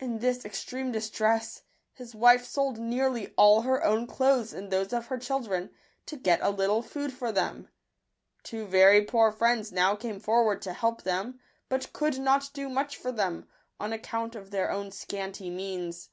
In this extreme distress, his wife sold nearly all her own clothes and those of her children, to get a little food for them. Two very poor friends now came forward to help them, but could not do much for them, on account of their own scanty means.